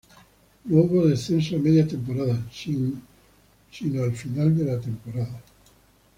No hubo descenso a media temporada, sin al final de la temporada.